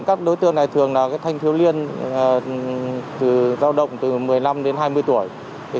các đối tượng này thường là thanh thiếu liên giao động từ một mươi năm đến hai mươi tuổi